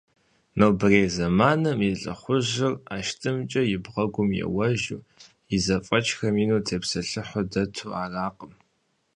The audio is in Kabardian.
Нобэрей зэманым и лӏыхъужьыр ӏэштӏымкӏэ и бгъэм еуэжу, и зэфӏэкӏхэм ину тепсэлъыхьу дэту аракъым.